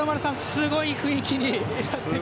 すごい雰囲気になってきました。